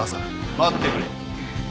待ってくれ。